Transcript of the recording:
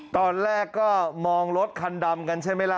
ตอนแรกก็มองรถคันดำกันใช่ไหมล่ะ